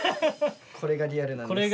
これがリアルなんです。